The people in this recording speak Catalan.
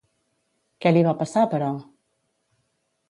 Què li va passar, però?